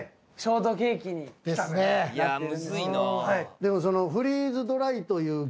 でもその。